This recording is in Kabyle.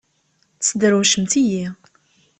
Tesderwcemt-iyi!